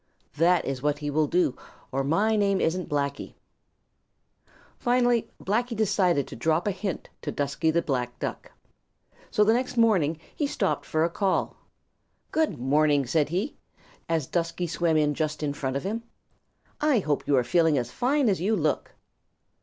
That is what he will do, or my name isn't Blacky." Finally Blacky decided to drop a hint to Dusky the Black Duck. So the next morning he stopped for a call. "Good morning," said he, as Dusky swam in just in front of him. "I hope you are feeling as fine as you look."